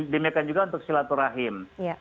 demikian juga untuk silaturahim